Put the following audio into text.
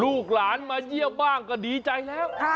ลูกหลานมาเยี่ยมบ้างก็ดีใจแล้ว